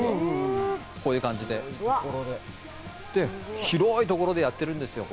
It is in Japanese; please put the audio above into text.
こういう感じで、広いところでやってるんですよ。